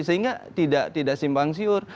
sehingga tidak simpang siur